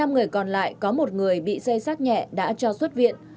năm người còn lại có một người bị xây sát nhẹ đã cho xuất viện